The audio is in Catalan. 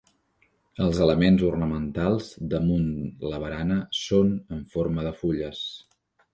Els elements ornamentals damunt la barana són en forma de fulles.